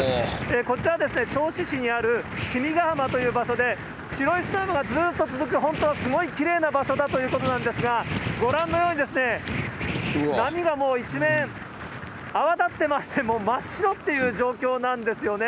こちらはですね、銚子市にある君ヶ浜という場所で、白い砂がずっと続く、本当はすごいきれいな場所だということなんですが、ご覧のように、波がもう一面、泡立っていまして、もう真っ白っていう状況なんですよね。